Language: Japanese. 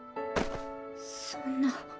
そんな。